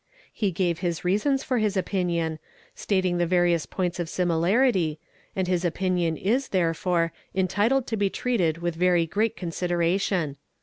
He gave his reasons for his if pinion, stating the various points of similarity, and his opinion is, there ore, entitled to be treated with very great consideration.